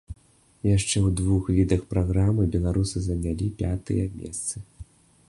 Яшчэ ў двух відах праграмы беларусы занялі пятыя месцы.